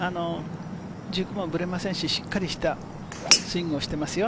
軸もぶれませんし、しっかりしたスイングをしていますよ。